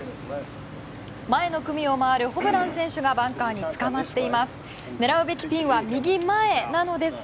前の組を回るホブラン選手がバンカーにつかまっています。